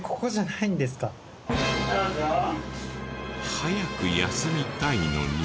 早く休みたいのに。